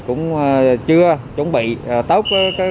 cũng chưa chuẩn bị tốt